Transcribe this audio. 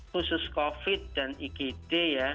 khusus covid dan igd ya